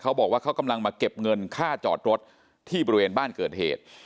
เขาบอกว่าเขากำลังมาเก็บเงินค่าจอดรถที่บริเวณบ้านเกิดเหตุ